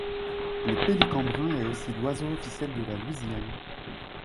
Le pélican brun est aussi l'oiseau officiel de la Louisiane.